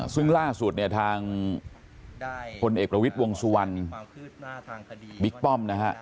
ซึ่งล่าสุดทางคนเอกประวิทย์วงศุวรรณบิ๊กป้อมนะครับ